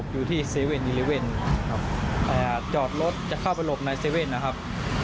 อยู่ที่๗๑๑จอดรถจะเข้าไปหลบใน๗๑๑นะครับ